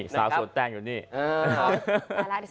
สาวสวนแต้งอยู่นี่